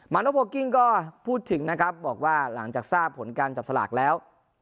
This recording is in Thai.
โนโพลกิ้งก็พูดถึงนะครับบอกว่าหลังจากทราบผลการจับสลากแล้ว